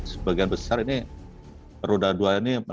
sebagian besar ini roda dua ini